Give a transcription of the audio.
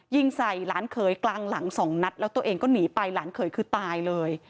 ยิงใส่หลานเขยกลางหลังสองนัดแล้วตัวเองก็หนีไปหลานเขยคือตายเลย